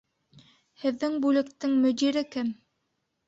Һеҙҙең бүлектең мөдире кем?